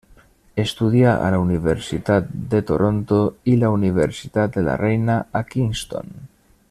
Estudià a la Universitat de Toronto i la Universitat de la Reina a Kingston.